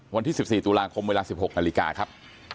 วันที่๑๔ตุลาคมเวลา๑๖นาฬิกาครับ